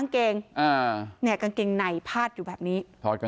กางเกงไหนพาดอยู่แบบนี้